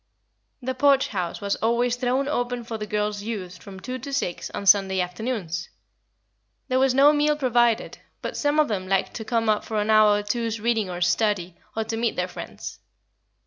The Porch House was always thrown open for the girls' use from two to six on Sunday afternoons. There was no meal provided, but some of them liked to come up for an hour or two's reading or study, or to meet their friends.